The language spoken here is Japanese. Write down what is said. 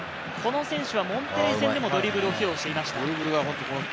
この選手はモンテレイ戦でも、ドリブルを披露していました。